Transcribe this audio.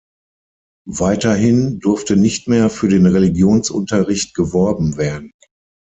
Weiterhin durfte nicht mehr für den Religionsunterricht geworben werden.